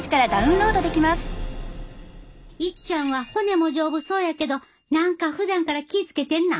いっちゃんは骨も丈夫そうやけど何かふだんから気ぃ付けてんの？